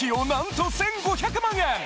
なんと１５００万円。